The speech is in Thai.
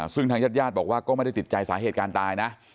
ซึ่งทางญาติญาติบอกว่าก็ไม่ได้ติดใจสาเหตุการณ์ตายนะ